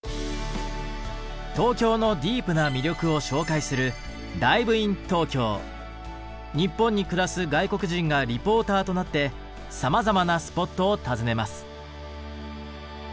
東京のディープな魅力を紹介する日本に暮らす外国人がリポーターとなってさまざまなスポットを訪ねます。